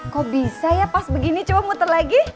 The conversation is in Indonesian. kok bisa ya pas begini coba muter lagi